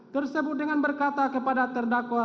tersebut dengan berkata kepada terdakwa